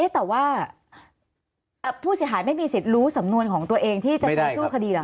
แต่ว่าผู้เสียหายไม่มีสิทธิ์รู้สำนวนของตัวเองที่จะช่วยสู้คดีเหรอ